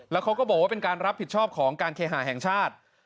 แล้วเขาก็บอกว่าเป็นการรับผิดชอบของการเคหาแห่งชาติ